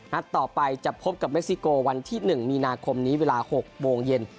นัดต่อไปจะพบกับเม็กซิโกวันที่๑มีนาคมนี้เวลา๖โมงเย็น